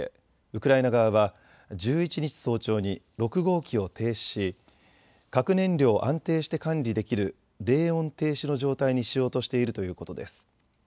ウクライナ側は１１日早朝に６号機を停止し核燃料を安定して管理できる冷温停止の状態にしようとしているということです。